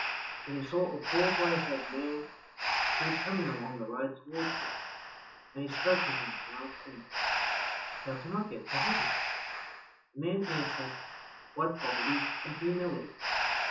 Then he saw a poor gray haired man who was coming along the road towards him, and he spoke to him, and asked, "How can I get to heaven?" The man answered, "By poverty and humility.